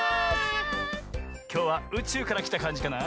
きょうはうちゅうからきたかんじかな？